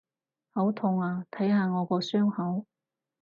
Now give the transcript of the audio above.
好痛啊！睇下我個傷口！